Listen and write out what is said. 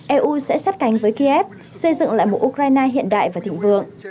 eu sẽ sát cánh với kiev xây dựng lại một ukraine hiện đại và thịnh vượng